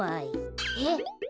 えっ？